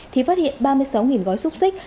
thì phát hiện ba mươi sáu gói xúc xích